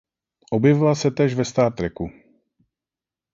Objevila se též ve Star Treku.